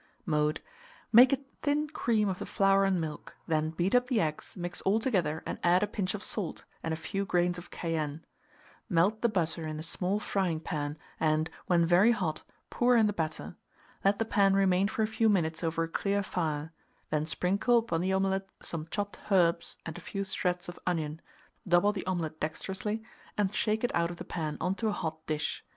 Mode. Make a thin cream of the flour and milk; then beat up the eggs, mix all together, and add a pinch of salt and a few grains of cayenne. Melt the butter in a small frying pan, and, when very hot, pour in the batter. Let the pan remain for a few minutes over a clear fire; then sprinkle upon the omelet some chopped herbs and a few shreds of onion; double the omelet dexterously, and shake it out of the pan on to a hot dish.